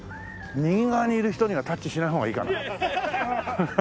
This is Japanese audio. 右側にいる人にはタッチしない方がいいかな。